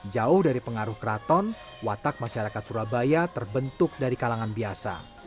jauh dari pengaruh keraton watak masyarakat surabaya terbentuk dari kalangan biasa